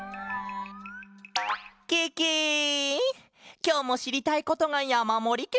きょうもしりたいことがやまもりケロ！